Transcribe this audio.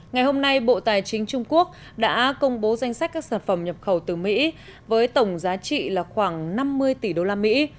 ngày hôm nay bộ tài chính trung quốc đã công bố danh sách các sản phẩm nhập khẩu từ mỹ với tổng giá trị là khoảng năm mươi tỷ đô la mỹ